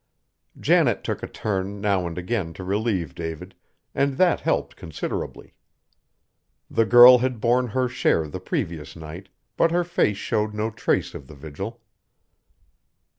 Janet took a turn now and again to relieve David, and that helped considerably. The girl had borne her share the previous night, but her face showed no trace of the vigil.